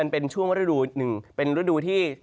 เป็นช่วงฤดูหนึ่งเป็นฤดูที่